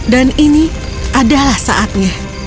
dan ini adalah saatnya